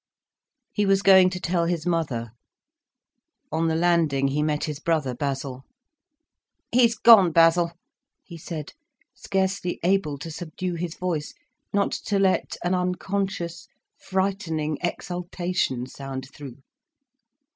He was going to tell his mother. On the landing he met his brother Basil. "He's gone, Basil," he said, scarcely able to subdue his voice, not to let an unconscious, frightening exultation sound through.